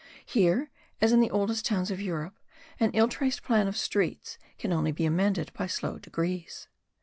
Here, as in the oldest towns of Europe. an ill traced plan of streets can only be amended by slow degrees.